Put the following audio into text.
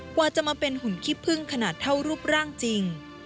กว่าจะมาเป็นหุ่นขี้พึ่งขนาดเท่ารูปร่างจริง